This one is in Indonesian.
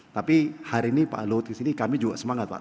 tapi hari ini pak luhut kesini kami juga semangat pak